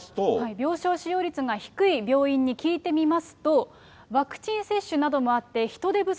病床使用率が低い病院に聞いてみますと、ワクチン接種などもあって、人手不足。